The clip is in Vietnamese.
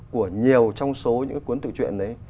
của nhiều trong số những cuốn tự truyện ấy